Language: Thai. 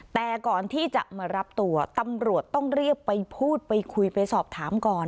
แต่ก่อนที่จะมารับตัวตำรวจต้องเรียกไปพูดไปคุยไปสอบถามก่อน